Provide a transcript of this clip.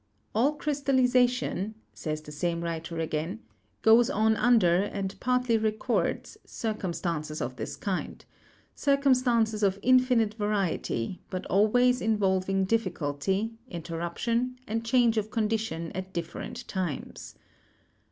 "All crystallization," says the same writer again, "goes on under, and partly records, circumstances of this kind — circumstances of infinite variety, but always involving diffi culty, interruption, and change of condition at different times.